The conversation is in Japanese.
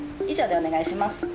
以上でお願いします。